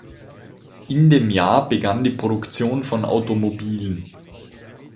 In dem Jahr begann die Produktion von Automobilen.